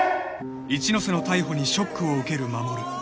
［一ノ瀬の逮捕にショックを受ける衛］